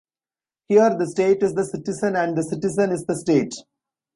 Here the state is the citizen and the citizen is the state.